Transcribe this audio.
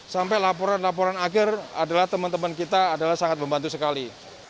sampai laporan laporan akhir adalah teman teman kita adalah sangat membantu sekali